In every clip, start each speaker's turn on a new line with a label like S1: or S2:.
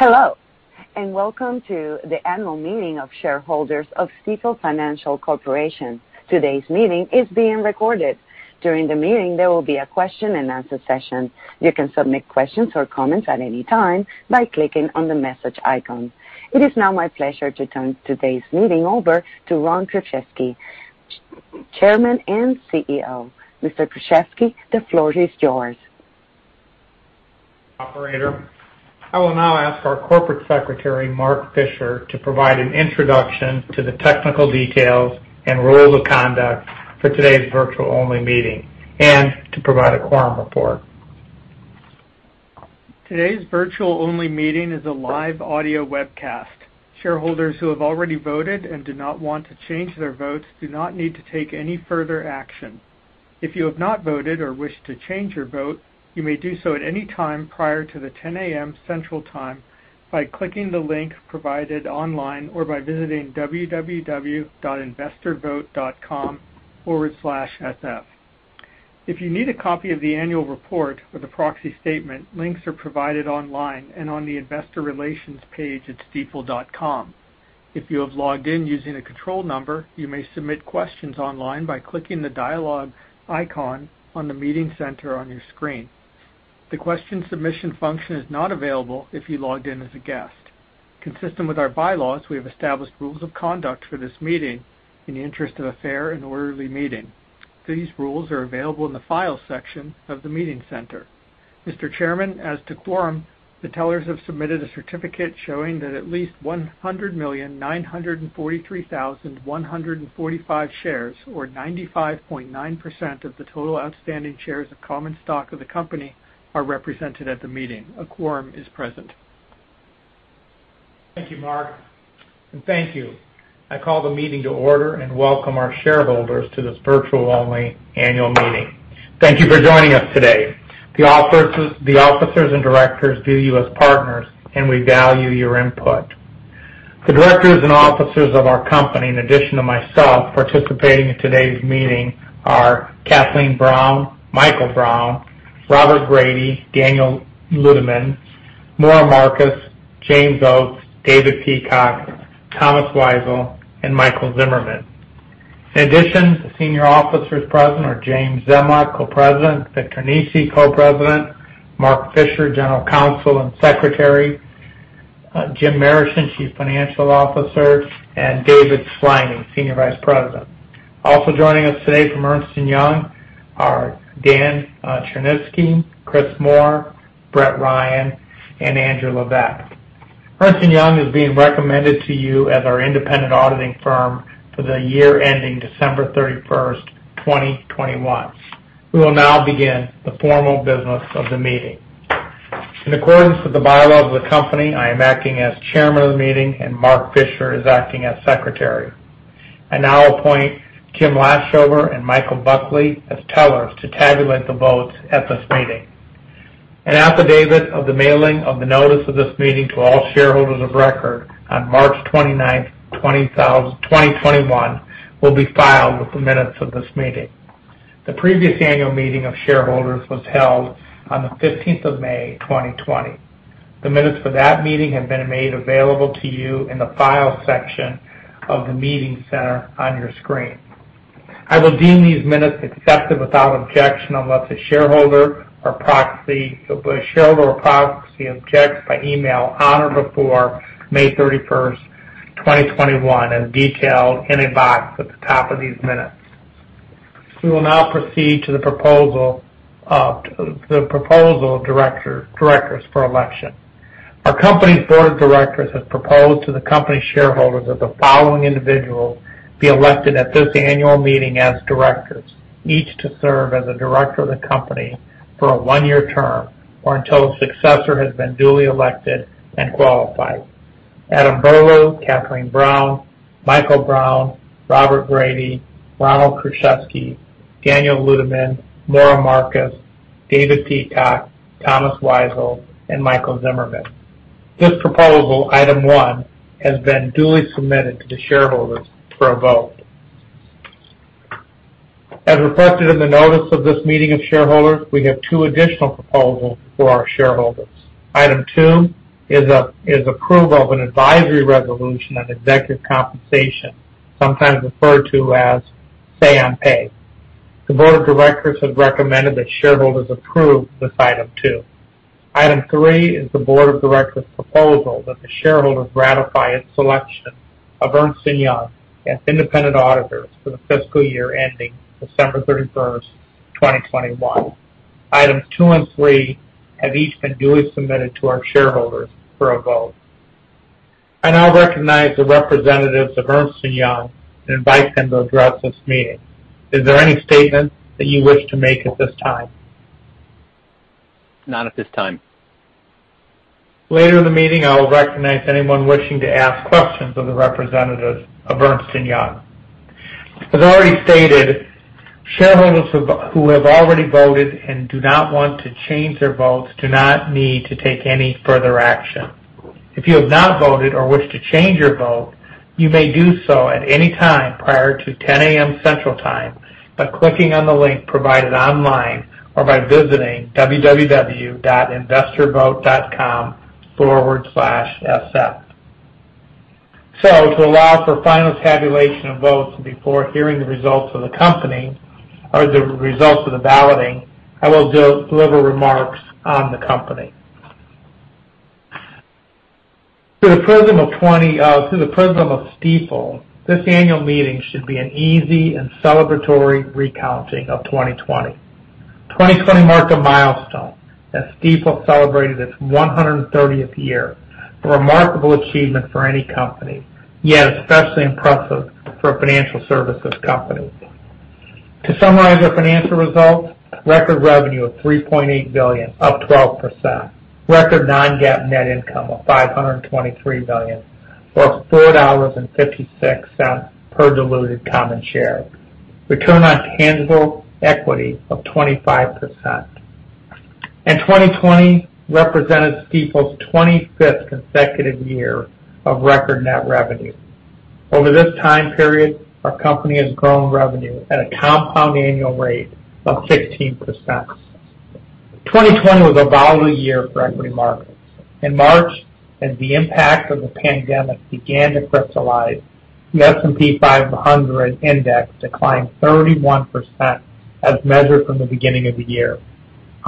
S1: Hello, welcome to the annual meeting of shareholders of Stifel Financial Corp. Today's meeting is being recorded. During the meeting, there will be a question and answer session. You can submit questions or comments at any time by clicking on the message icon. It is now my pleasure to turn today's meeting over to Ron Kruszewski, Chairman and CEO. Mr. Kruszewski, the floor is yours.
S2: Operator I will now ask our Corporate Secretary, Mark Fisher, to provide an introduction to the technical details and rules of conduct for today's virtual-only meeting and to provide a quorum report.
S3: Today's virtual-only meeting is a live audio webcast. Shareholders who have already voted and do not want to change their votes do not need to take any further action. If you have not voted or wish to change your vote, you may do so at any time prior to the 10:00 A.M. Central Time by clicking the link provided online or by visiting www.investorvote.com/sf. If you need a copy of the annual report or the proxy statement, links are provided online and on the investor relations page at stifel.com. If you have logged in using a control number, you may submit questions online by clicking the dialogue icon on the meeting center on your screen. The question submission function is not available if you logged in as a guest. Consistent with our bylaws, we have established rules of conduct for this meeting in the interest of a fair and orderly meeting. These rules are available in the Files section of the meeting center. Mr. Chairman, as to quorum, the tellers have submitted a certificate showing that at least 100,943,145 shares or 95.9% of the total outstanding shares of common stock of the company are represented at the meeting. A quorum is present.
S2: Thank you, Mark. Thank you. I call the meeting to order and welcome our shareholders to this virtual-only annual meeting. Thank you for joining us today. The Officers and Directors view you as partners, and we value your input. The Directors and Officers of our company, in addition to myself, participating in today's meeting are Kathleen Brown, Michael Brown, Robert Grady, Daniel Ludeman, Maura Markus, James Oates, David Peacock, Thomas Weisel, and Michael Zimmerman. In addition, the Senior Officers present are James Zemlyak, Co-President, Victor Nesi, Co-President, Mark Fisher, General Counsel and Secretary, Jim Marischen, Chief Financial Officer, and David Sliney, Senior Vice President. Also joining us today from Ernst & Young are Dan Cherniske, Chris Moore, Brett Ryan, and Andrew Levesque. Ernst & Young is being recommended to you as our independent auditing firm for the year ending December 31, 2021. We will now begin the formal business of the meeting. In accordance with the bylaws of the company, I am acting as chairman of the meeting, and Mark Fisher is acting as secretary. I now appoint Kim Lashover and Michael Buckley as tellers to tabulate the votes at this meeting. An affidavit of the mailing of the notice of this meeting to all shareholders of record on March 29th, 2021, will be filed with the minutes of this meeting. The previous annual meeting of shareholders was held on the 15th of May, 2020. The minutes for that meeting have been made available to you in the Files section of the meeting center on your screen. I will deem these minutes accepted without objection unless a shareholder or proxy objects by email on or before May 31st, 2021, as detailed in a box at the top of these minutes. We will now proceed to the proposal of directors for election. Our company's Board of Directors has proposed to the company shareholders that the following individuals be elected at this annual meeting as directors, each to serve as a director of the company for a one-year term or until a successor has been duly elected and qualified. Adam Berlew, Kathleen Brown, Michael Brown, Robert Grady, Ronald Kruszewski, Daniel Ludeman, Maura Markus, David Peacock, Thomas Weisel, and Michael Zimmerman. This proposal, item one, has been duly submitted to the shareholders for a vote. As requested in the notice of this meeting of shareholders, we have two additional proposals for our shareholders. Item two is approval of an advisory resolution on executive compensation, sometimes referred to as say on pay. The Board of Directors has recommended that shareholders approve this item two. Item three is the board of directors' proposal that the shareholder ratify its selection of Ernst & Young as independent auditors for the fiscal year ending December 31st, 2021. Items two and three have each been duly submitted to our shareholders for a vote. I now recognize the representatives of Ernst & Young and invite them to address this meeting. Is there any statement that you wish to make at this time?
S3: Not at this time.
S2: Later in the meeting, I will recognize anyone wishing to ask questions of the representatives of Ernst & Young. As already stated, shareholders who have already voted and do not want to change their votes do not need to take any further action. If you have not voted or wish to change your vote, you may do so at any time prior to 10:00 AM Central Time by clicking on the link provided online or by visiting www.investorvote.com/sf. To allow for final tabulation of votes and before hearing the results of the balloting, I will deliver remarks on the company. Through the prism of Stifel, this annual meeting should be an easy and celebratory recounting of 2020. 2020 marked a milestone as Stifel celebrated its 130th year, a remarkable achievement for any company, yet especially impressive for a financial services company. To summarize our financial results, record revenue of $3.8 billion, up 12%, record non-GAAP net income of $523 million, or $4.56 per diluted common share. Return on tangible equity of 25%. 2020 represented Stifel's 25th consecutive year of record net revenue. Over this time period, our company has grown revenue at a compound annual rate of 16%. 2020 was a volatile year for equity markets. In March, as the impact of the pandemic began to crystallize, the S&P 500 Index declined 31% as measured from the beginning of the year.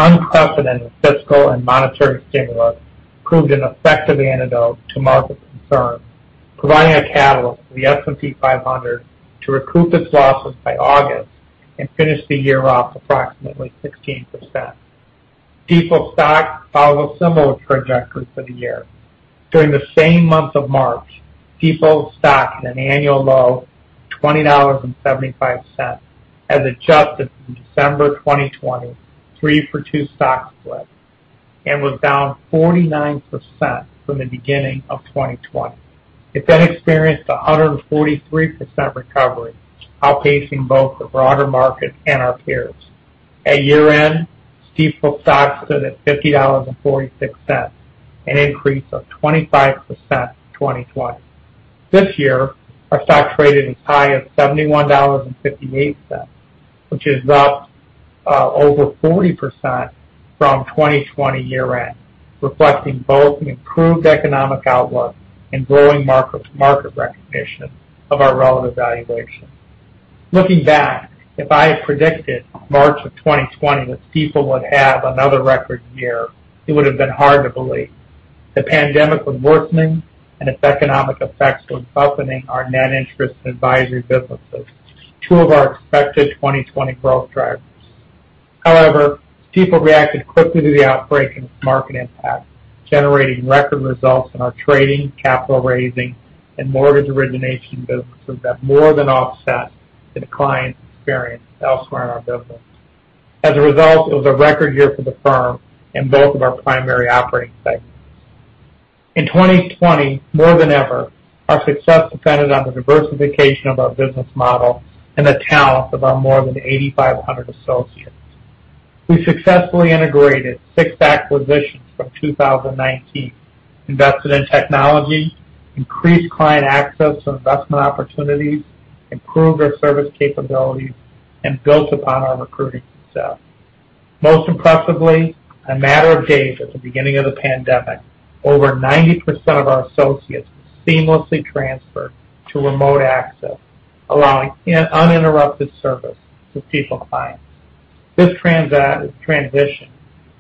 S2: Unprecedented fiscal and monetary stimulus proved an effective antidote to market concerns, providing a catalyst for the S&P 500 to recoup its losses by August and finish the year off approximately 15%. Stifel stock followed a similar trajectory for the year. During the same month of March, Stifel's stock hit an annual low of $20.75 as adjusted from December 2020 three-for-two stock split, and was down 49% from the beginning of 2020. It then experienced 143% recovery, outpacing both the broader market and our peers. At year-end, Stifel stock closed at $50.46, an increase of 25% in 2020. This year, our stock traded as high as $71.58, which is up over 40% from 2020 year-end, reflecting both an improved economic outlook and growing mark-to-market recognition of our relative valuation. Looking back, if I had predicted March of 2020 that Stifel would have another record year, it would have been hard to believe. The pandemic was worsening, and its economic effects were buffeting our net interest advisory businesses, two of our expected 2020 growth drivers. However, Stifel reacted quickly to the outbreak and its market impact, generating record results in our trading, capital raising, and mortgage origination businesses that more than offset the declines experienced elsewhere in our business. As a result, it was a record year for the firm in both of our primary operating segments. In 2020, more than ever, our success depended on the diversification of our business model and the talents of our more than 8,500 associates. We successfully integrated six acquisitions from 2019, invested in technology, increased client access to investment opportunities, improved our service capabilities, and built upon our recruiting success. Most impressively, in a matter of days at the beginning of the pandemic, over 90% of our associates seamlessly transferred to remote access, allowing uninterrupted service to Stifel clients. This transition,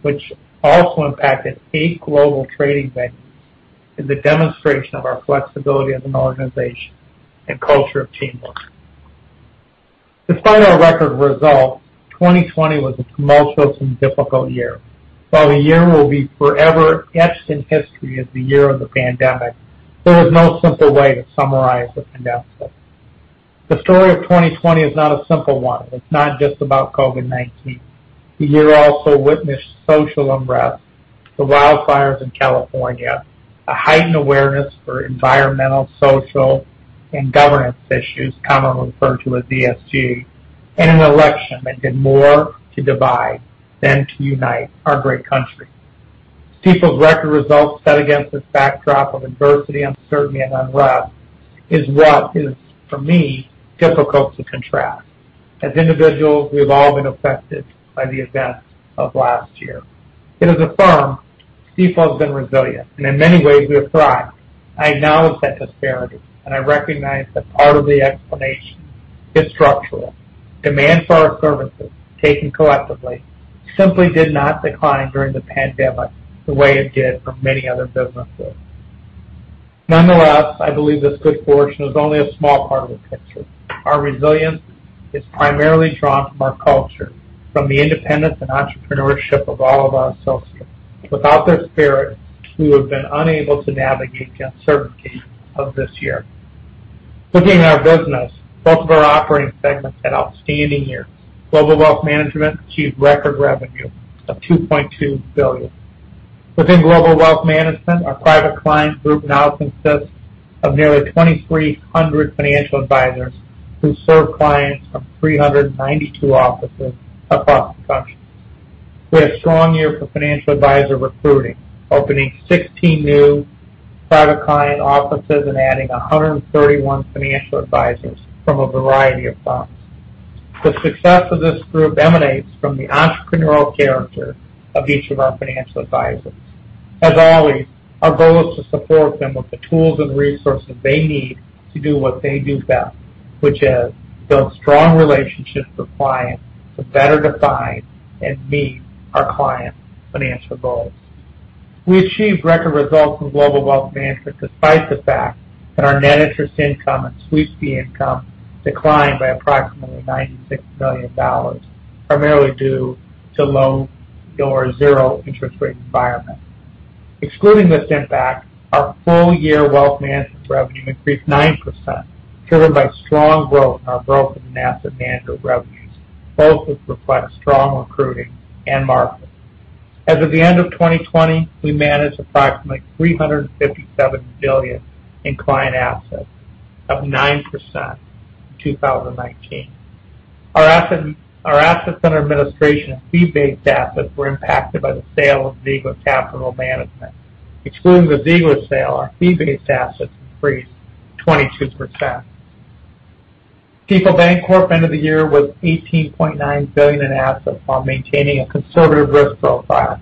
S2: which also impacted eight global trading venues, is a demonstration of our flexibility as an organization and culture of teamwork. Despite our record results, 2020 was a tumultuous and difficult year. While the year will be forever etched in history as the year of the pandemic, there is no simple way to summarize what the nest was. The story of 2020 is not a simple one. It's not just about COVID-19. The year also witnessed social unrest, the wildfires in California, a heightened awareness for environmental, social, and governance issues, commonly referred to as ESG, and an election that did more to divide than to unite our great country. Stifel's record results set against this backdrop of adversity, uncertainty, and unrest is what is, for me, difficult to contrast. As individuals, we've all been affected by the events of last year. As a firm, Stifel has been resilient, and in many ways, we've thrived. I acknowledge that disparity, and I recognize that part of the explanation is structural. Demand for our services, taken collectively, simply did not decline during the pandemic the way it did for many other businesses. Nonetheless, I believe this good fortune is only a small part of the picture. Our resilience is primarily drawn from our culture, from the independence and entrepreneurship of all of our associates. Without this spirit, we would have been unable to navigate the uncertainties of this year. Looking at our business, both of our operating segments had outstanding years. Global Wealth Management achieved record revenue of $2.2 billion. Within Global Wealth Management, our private client group now consists of nearly 2,300 financial advisors who serve clients from 392 offices across the country. We had a strong year for financial advisor recruiting, opening 16 new private client offices and adding 131 financial advisors from a variety of firms. The success of this group emanates from the entrepreneurial character of each of our financial advisors. As always, our goal is to support them with the tools and resources they need to do what they do best, which is build strong relationships with clients to better define and meet our clients' financial goals. We achieved record results in Global Wealth Management despite the fact that our net interest income and sweep fee income declined by approximately $96 million, primarily due to low or zero interest rate environment. Excluding this impact, our full-year wealth management revenue increased 9%, driven by strong growth in our broker and asset manager revenues, both of which reflect strong recruiting and markets. As of the end of 2020, we managed approximately $357 billion in client assets, up 9% from 2019. Our assets under administration and fee-based assets were impacted by the sale of Ziegler Capital Management. Excluding the Ziegler sale, our fee-based assets increased 22%. Stifel Bancorp, Inc. end of the year was $18.9 billion in assets while maintaining a conservative risk profile.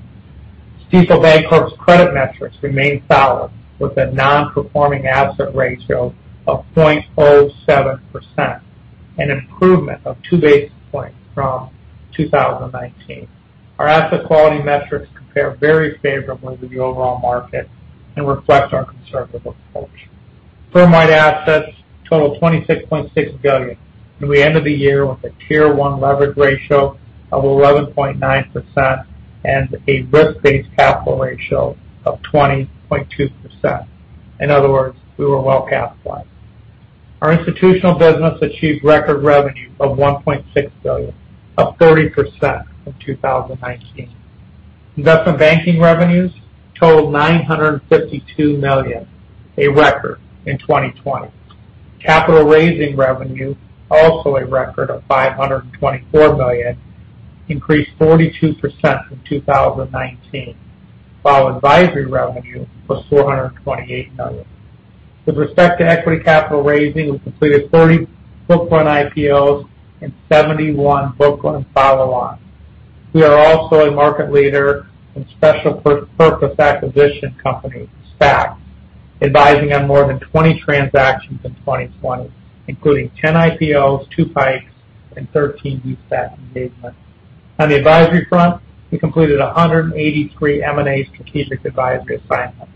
S2: Stifel Bancorp, Inc.'s credit metrics remain solid, with a non-performing asset ratio of 0.07%, an improvement of two basis points from 2019. Our asset quality metrics compare very favorably to the overall market and reflect our conservative approach. Firm-wide assets totaled $26.6 billion. We ended the year with a Tier 1 leverage ratio of 11.9% and a risk-based capital ratio of 20.2%. In other words, we were well-capitalized. Our institutional business achieved record revenue of $1.6 billion, up 30% from 2019. Investment banking revenues totaled $952 million, a record in 2020. Capital raising revenue, also a record of $524 million, increased 42% from 2019, while advisory revenue was $428 million. With respect to equity capital raising, we completed 30 book-run IPOs and 71 book-run follow-ons. We are also a market leader in special purpose acquisition companies, SPACs, advising on more than 20 transactions in 2020, including 10 IPOs, 2 PIPEs, and 13 de-SPAC engagements. On the advisory front, we completed 183 M&A strategic advisory assignments.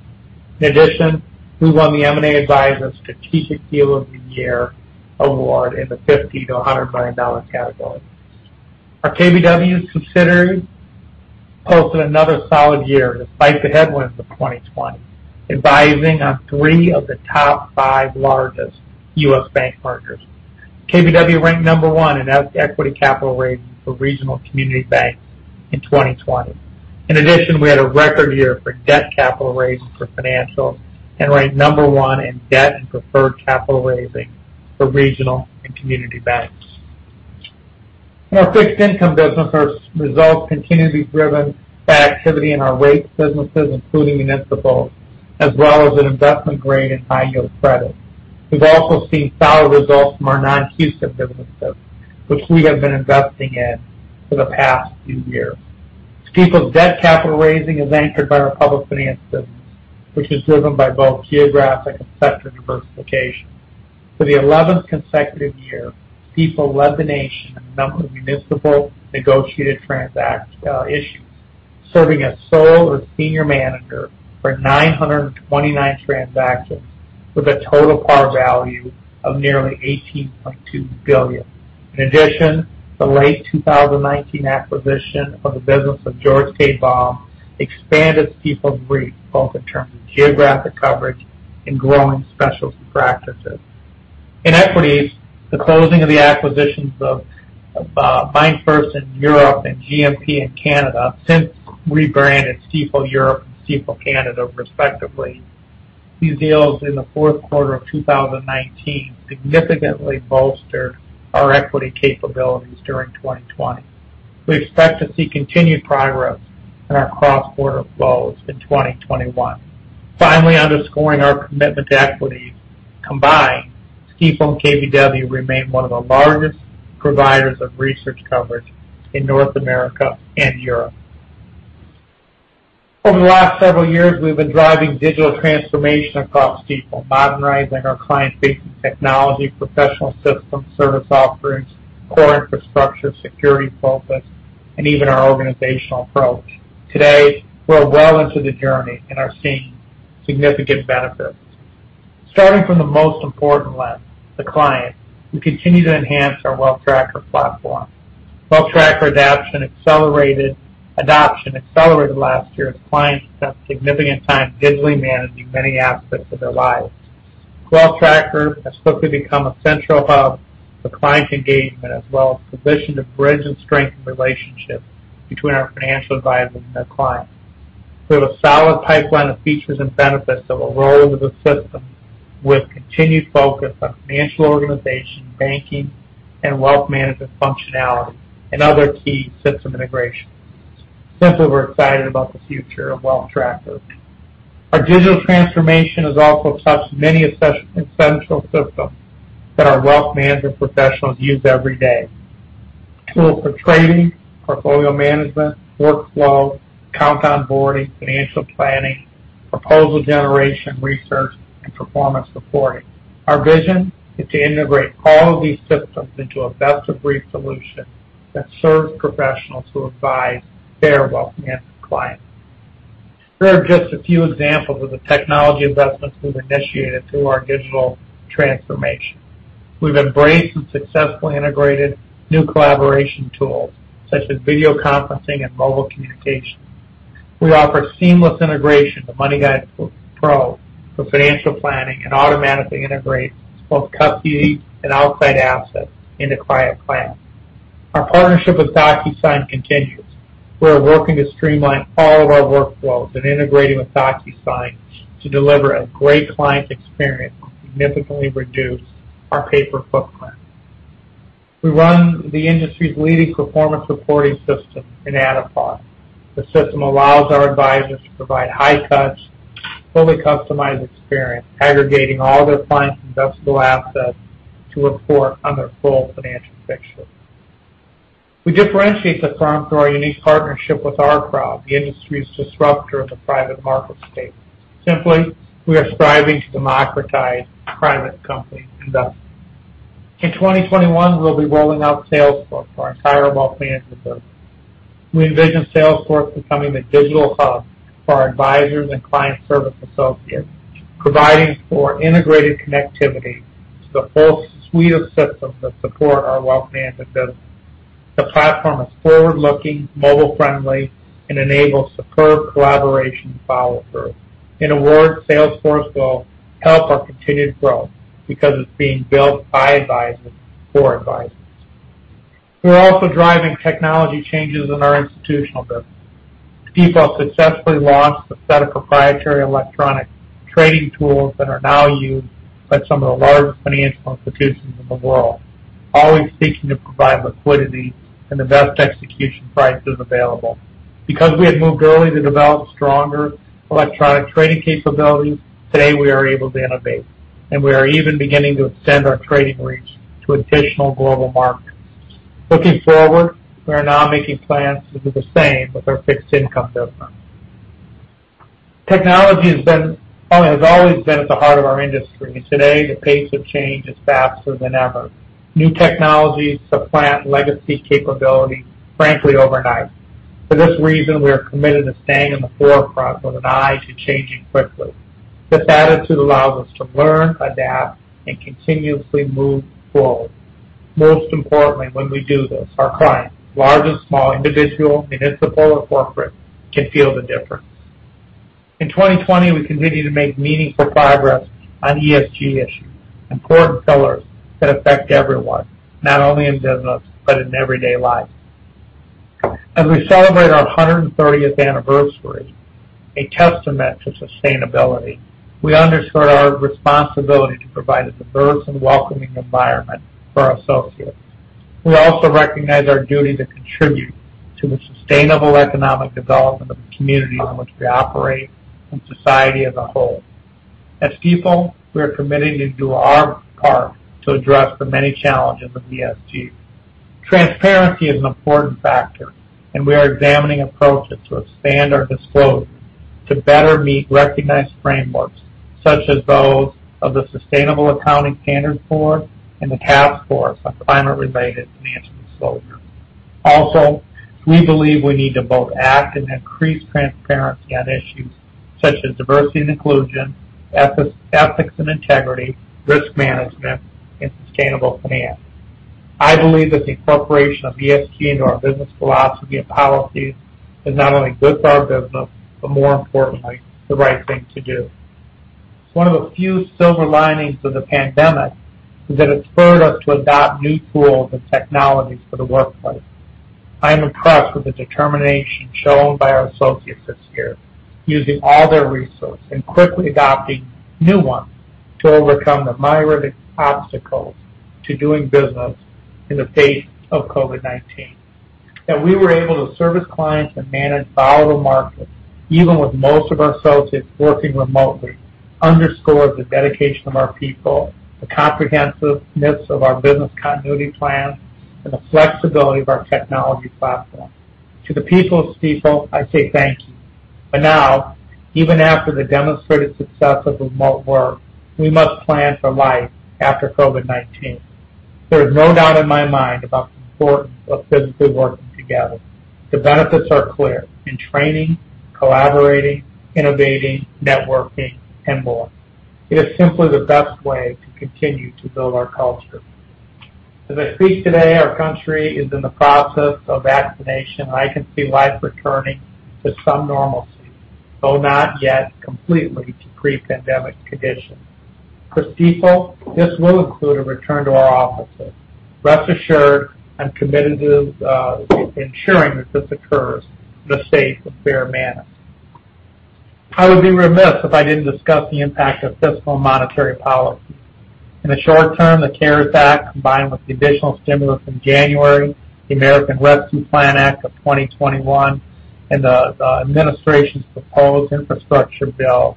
S2: In addition, we won the M&A Advisor Strategic Deal of the Year award in the $50 million-$100 million category. Our KBW subsidiary posted another solid year to fight the headwinds of 2020, advising on three of the top five largest U.S. bank mergers. KBW ranked number one in equity capital raising for regional community banks in 2020. In addition, we had a record year for debt capital raising for financials and ranked number one in debt and preferred capital raising for regional and community banks. Our fixed income business results continue to be driven by activity in our rates businesses, including in municipals, as well as an investment grade in high-yield credit. We've also seen solid results from our non-CUSIP businesses, which we have been investing in for the past few years. Stifel's debt capital raising is anchored by our public finance business, which is driven by both geographic and sector diversification. For the 11th consecutive year, Stifel led the nation in the number of municipal negotiated issues, serving as sole or senior manager for 929 transactions with a total par value of nearly $18.2 billion. The late 2019 acquisition of the business of George K. Baum expanded Stifel's reach both in terms of geographic coverage and growing specialty practices. In equities, the closing of the acquisitions of MainFirst in Europe and GMP in Canada have since rebranded Stifel Europe and Stifel Canada, respectively. These deals in the fourth quarter of 2019 significantly bolstered our equity capabilities during 2020. We expect to see continued progress in our cross-border flows in 2021. Underscoring our commitment to equity, combined, Stifel and KBW remain one of the largest providers of research coverage in North America and Europe. Over the last several years, we've been driving digital transformation across Stifel, modernizing our client-facing technology, professional systems, service offerings, core infrastructure, security focus, and even our organizational approach. Today, we're well into the journey and are seeing significant benefits. Starting from the most important lens, the client, we continue to enhance our Wealth Tracker platform. Wealth Tracker adoption accelerated last year as clients spent significant time digitally managing many aspects of their lives. Wealth Tracker has quickly become a central hub for client engagement, as well as positioned to bridge and strengthen relationships between our financial advisors and their clients. We have a solid pipeline of features and benefits that will roll into the system, with continued focus on financial organization, banking, and wealth management functionality, and other key system integrations. Simply, we're excited about the future of Wealth Trackers. Our digital transformation has also touched many essential systems that our wealth management professionals use every day. Tools for trading, portfolio management, workflows, account onboarding, financial planning, proposal generation, research, and performance reporting. Our vision is to integrate all of these systems into a best-of-breed solution that serves professionals who advise their wealth management clients. Here are just a few examples of the technology investments we've initiated through our digital transformation. We've embraced and successfully integrated new collaboration tools, such as video conferencing and mobile communications. We offer seamless integration with MoneyGuidePro for financial planning, and automatically integrate both custody and outside assets into client planning. Our partnership with DocuSign continues. We are working to streamline all of our workflows and integrating with DocuSign to deliver a great client experience while significantly reduce our paper footprint. We run the industry's leading performance reporting system in Addepar. The system allows our advisors to provide high-touch, fully customized experience, aggregating all their clients' investable assets to report on their full financial picture. We differentiate the firm through our unique partnership with OurCrowd, the industry's disruptor in the private market space. Simply, we are striving to democratize private company investing. In 2021, we'll be rolling out Salesforce for our entire wealth management business. We envision Salesforce becoming the digital hub for our advisors and client service associates, providing for integrated connectivity to the full suite of systems that support our wealth management business. The platform is forward-looking, mobile-friendly, and enables superb collaboration and follow-through. In a word, Salesforce will help our continued growth because it's being built by advisors for advisors. We're also driving technology changes in our institutional business. Stifel successfully launched a set of proprietary electronic trading tools that are now used by some of the largest financial institutions in the world, always seeking to provide liquidity and the best execution prices available. Because we had moved early to develop stronger electronic trading capabilities, today we are able to innovate, and we are even beginning to extend our trading reach to additional global markets. Looking forward, we are now making plans to do the same with our fixed income business. Technology has always been at the heart of our industry, and today, the pace of change is faster than ever. New technologies supplant legacy capabilities frankly overnight. For this reason, we are committed to staying in the forefront with an eye to changing quickly. This attitude allows us to learn, adapt, and continuously move forward. Most importantly, when we do this, our clients, large or small, individual, municipal, or corporate, can feel the difference. In 2020, we continued to make meaningful progress on ESG issues, important pillars that affect everyone, not only in business, but in everyday life. As we celebrate our 130th anniversary, a testament to sustainability, we underscore our responsibility to provide a diverse and welcoming environment for our associates. We also recognize our duty to contribute to the sustainable economic development of the communities in which we operate and society as a whole. At Stifel, we are committed to do our part to address the many challenges of ESG. Transparency is an important factor, and we are examining approaches to expand our disclosures to better meet recognized frameworks such as those of the Sustainability Accounting Standards Board and the Task Force on Climate-related Financial Disclosures. We believe we need to both act and increase transparency on issues such as diversity and inclusion, ethics and integrity, risk management, and sustainable finance. I believe that the incorporation of ESG into our business philosophy and policies is not only good for our business, but more importantly, the right thing to do. One of the few silver linings of the pandemic is that it's spurred us to adopt new tools and technologies for the workplace. I am impressed with the determination shown by our associates this year, using all their resources and quickly adopting new ones to overcome the myriad obstacles to doing business in the face of COVID-19. That we were able to service clients and manage volatile markets, even with most of our associates working remotely, underscores the dedication of our people, the comprehensiveness of our business continuity plans, and the flexibility of our technology platforms. To the people of Stifel, I say thank you. Now, even after the demonstrated success of remote work, we must plan for life after COVID-19. There is no doubt in my mind about the importance of physically working together. The benefits are clear in training, collaborating, innovating, networking, and more. It is simply the best way to continue to build our culture. As I speak today, our country is in the process of vaccination, and I can see life returning to some normalcy, though not yet completely to pre-pandemic conditions. For people, this will include a return to our offices. Rest assured, I'm committed to ensuring that this occurs in a safe and fair manner. I would be remiss if I didn't discuss the impact of fiscal and monetary policy. In the short term, the CARES Act, combined with the additional stimulus in January, the American Rescue Plan Act of 2021, and the administration's proposed infrastructure bill,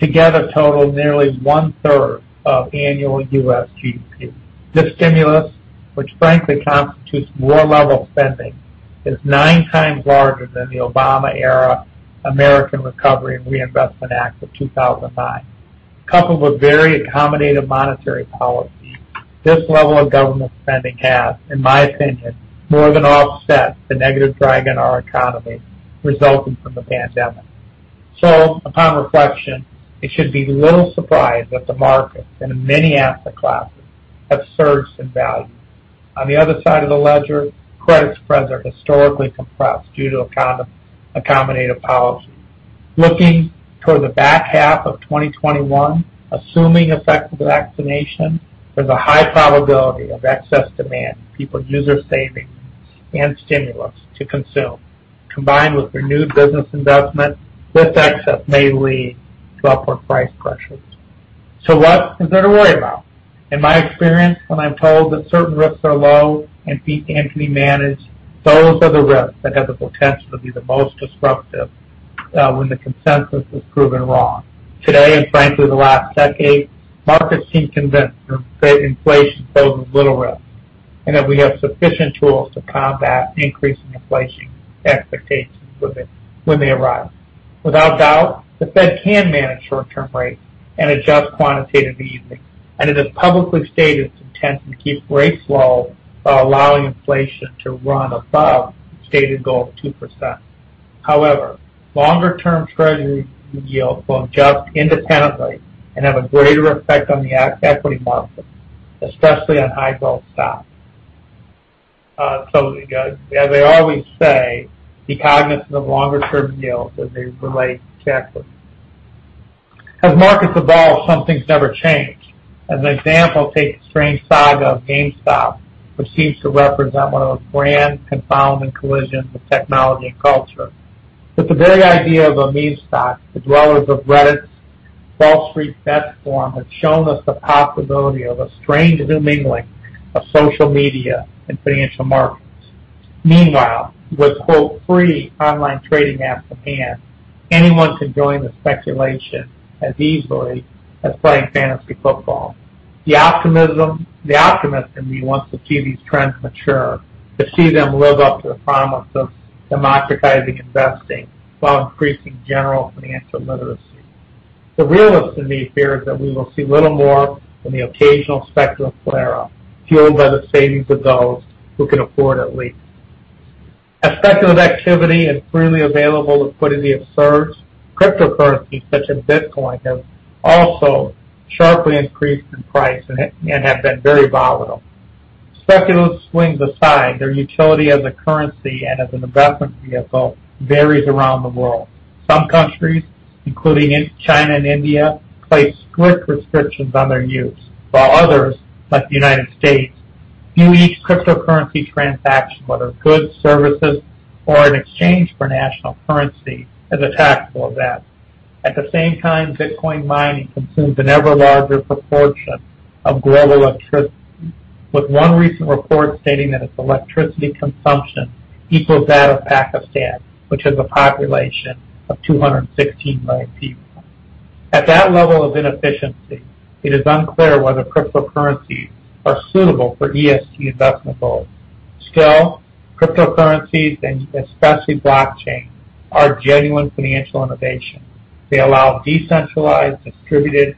S2: together total nearly one-third of annual U.S. GDP. This stimulus, which frankly constitutes war-level spending, is nine times larger than the Obama-era American Recovery and Reinvestment Act of 2009. Coupled with very accommodative monetary policy, this level of government spending has, in my opinion, more than offset the negative drag on our economy resulting from the pandemic. Upon reflection, it should be little surprise that the markets and many asset classes have surged in value. On the other side of the ledger, credit spreads are historically compressed due to accommodative policy. Looking toward the back half of 2021, assuming effective vaccination, there's a high probability of excess demand, people use their savings and stimulus to consume. Combined with renewed business investment, this excess may lead to upward price pressures. What is there to worry about? In my experience, when I'm told that certain risks are low and can be managed, those are the risks that have the potential to be the most disruptive when the consensus is proven wrong. Today, and frankly, the last decade, markets seem convinced that inflation poses little risk and that we have sufficient tools to combat increasing inflation expectations when they arrive. Without doubt, the Fed can manage short-term rates and adjust quantitative easing, And it has publicly stated its intention to keep rates low while allowing inflation to run above its stated goal of 2%. Longer-term Treasury yields will adjust independently and have a greater effect on the equity market, especially on high growth stocks. As they always say, be cognizant of longer-term yields as they relate to equities. As markets evolve, some things never change. As an example, take the strange saga of GameStop, which seems to represent one of the grand, confounding collisions of technology and culture. With the very idea of a meme stock, as well as of Reddit's WallStreetBets forum, have shown us the possibility of a strange new mingling of social media and financial markets. With "free" online trading apps at hand, anyone can join the speculation as easily as playing fantasy football. The optimist in me wants to see these trends mature, to see them live up to the promise of democratizing investing while increasing general financial literacy. The realist in me fears that we will see little more than the occasional speculative flare-up, fueled by the savings of those who can afford it least. As speculative activity and freely available liquidity have surged, cryptocurrencies such as Bitcoin have also sharply increased in price and have been very volatile. Speculative swings aside, their utility as a currency and as an investment vehicle varies around the world. Some countries, including China and India, place strict restrictions on their use, while others, like the United States, view each cryptocurrency transaction, whether goods, services, or in exchange for national currency, as a taxable event. At the same time, Bitcoin mining consumes an ever-larger proportion of global electricity, with one recent report stating that its electricity consumption equals that of Pakistan, which has a population of 216 million people. At that level of inefficiency, it is unclear whether cryptocurrencies are suitable for ESG investment goals. Still, cryptocurrencies, and especially blockchain, are genuine financial innovations. They allow decentralized, distributed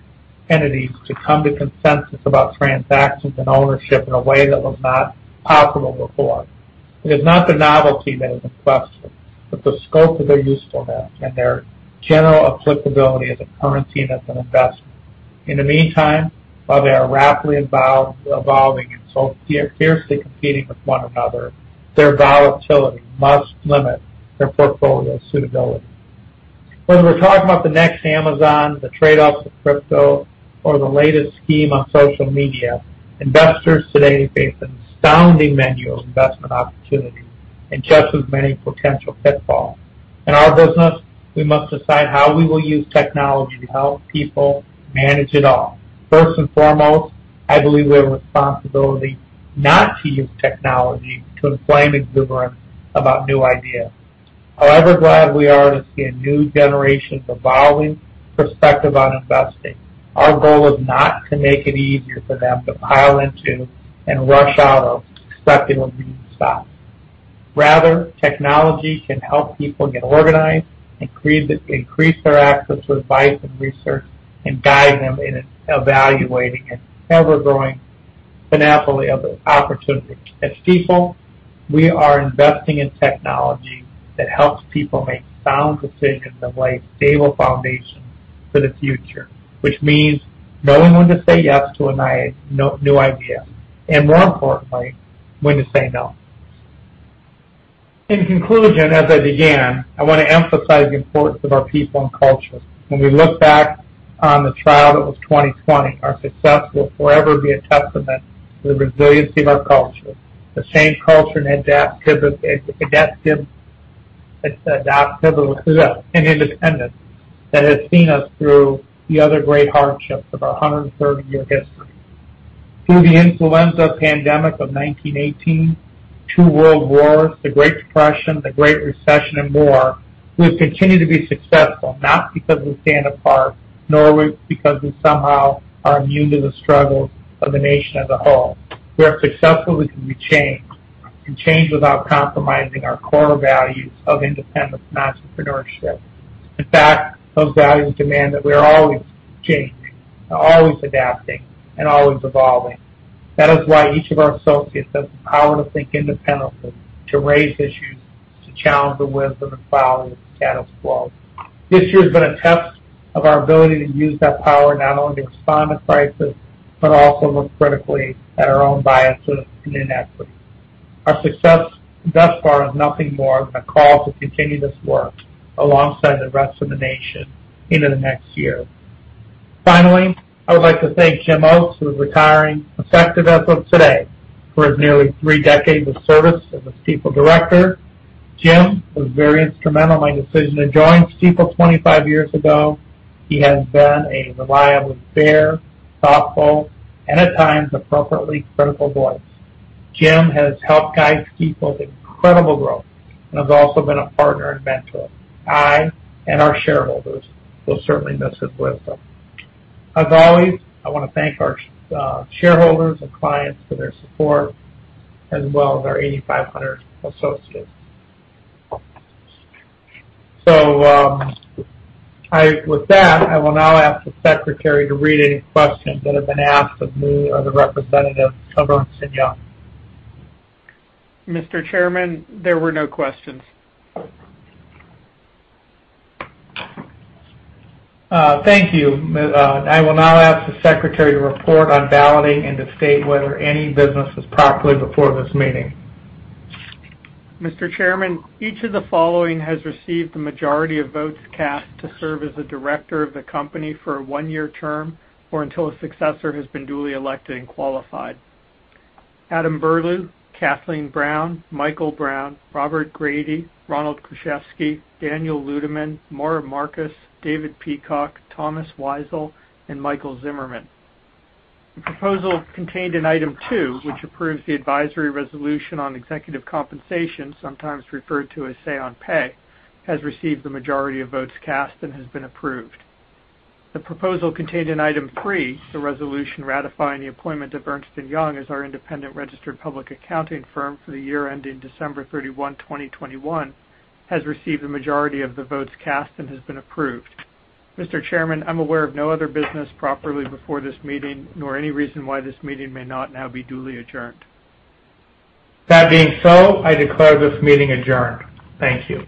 S2: entities to come to consensus about transactions and ownership in a way that was not possible before. It is not their novelty that is in question, but the scope of their usefulness and their general applicability as a currency and as an investment. In the meantime, while they are rapidly evolving and fiercely competing with one another, their volatility must limit their portfolio suitability. Whether we're talking about the next Amazon, the trade-offs of crypto, or the latest scheme on social media, investors today face an astounding menu of investment opportunities and just as many potential pitfalls. In our business, we must decide how we will use technology to help people manage it all. First and foremost, I believe we have a responsibility not to use technology to inflame exuberance about new ideas. However glad we are to see a new generation's evolving perspective on investing, our goal is not to make it easier for them to pile into and rush out of speculative meme stocks. Rather, technology can help people get organized, increase their access to advice and research, and guide them in evaluating an ever-growing panoply of opportunities. At Stifel, we are investing in technology that helps people make sound decisions and lay stable foundations for the future, which means knowing when to say yes to a new idea and, more importantly, when to say no. In conclusion, as I began, I want to emphasize the importance of our people and culture. When we look back on the trial that was 2020, our success will forever be a testament to the resiliency of our culture, the same culture and adaptiveness and independence that has seen us through the other great hardships of our 130-year history. Through the influenza pandemic of 1918, two World Wars, the Great Depression, the Great Recession, and more, we've continued to be successful, not because we stand apart, nor because we somehow are immune to the struggles of the nation as a whole. We are successful because we change, and change without compromising our core values of independence and entrepreneurship. In fact, those values demand that we are always changing and always adapting and always evolving. That is why each of our associates has the power to think independently, to raise issues, to challenge the wisdom and folly of the status quo. This year has been a test of our ability to use that power not only to respond to crisis, but also look critically at our own biases and inequities. Our success thus far is nothing more than a call to continue this work alongside the rest of the nation into the next year. Finally, I would like to thank James Oates, who is retiring effective as of today, for his nearly 3 decades of service as a Stifel director. Jim was very instrumental in my decision to join Stifel 25 years ago. He has been a reliable, fair, thoughtful, and at times appropriately critical voice. Jim has helped guide Stifel's incredible growth and has also been a partner and mentor. I and our shareholders will certainly miss his wisdom. As always, I want to thank our shareholders and clients for their support, as well as our 8,500 associates. With that, I will now ask the secretary to read any questions that have been asked of me or the representatives of Ernst & Young.
S3: Mr. Chairman, there were no questions.
S2: Thank you. I will now ask the secretary to report on balloting and to state whether any business is properly before this meeting.
S3: Mr. Chairman, each of the following has received the majority of votes cast to serve as a director of the company for a one-year term or until a successor has been duly elected and qualified: Adam Berlew, Kathleen Brown, Michael Brown, Robert Grady, Ronald Kruszewski, Daniel Ludeman, Maura Markus, David Peacock, Thomas Weisel, and Michael Zimmerman. The proposal contained in item two, which approves the advisory resolution on executive compensation, sometimes referred to as say on pay, has received the majority of votes cast and has been approved. The proposal contained in item three, the resolution ratifying the appointment of Ernst & Young as our independent registered public accounting firm for the year ending December 31, 2021, has received the majority of the votes cast and has been approved. Mr. Chairman, I'm aware of no other business properly before this meeting, nor any reason why this meeting may not now be duly adjourned.
S2: That being so, I declare this meeting adjourned. Thank you.